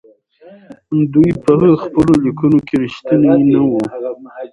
دوی په خپلو ليکنو کې رښتيني نه وو.